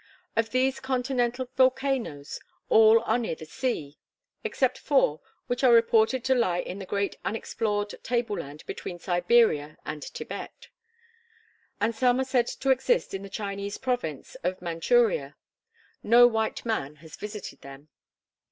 Of these continental volcanoes all are near the sea, except four which are reported to lie in the great unexplored tableland between Siberia and Thibet; and some are said to exist in the Chinese province of Mantchooria. No white man has visited them.